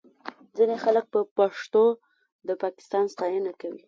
ځینې خلک په پښتو د پاکستان ستاینه کوي